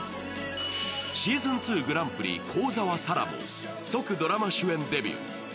シーズン２グランプリ、幸澤沙良も即ドラマ主演デビュー。